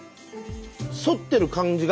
それてる感じが。